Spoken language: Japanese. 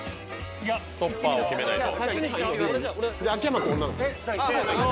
ストッパーを決めないと。